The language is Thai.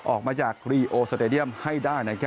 ออกมาจากรีโอสเตดียมให้ได้